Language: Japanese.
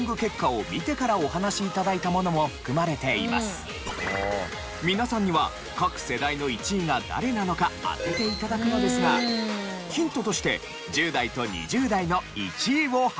街で頂いた皆さんには各世代の１位が誰なのか当てて頂くのですがヒントとして１０代と２０代の１位を発表。